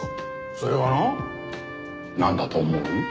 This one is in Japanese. それがななんだと思う？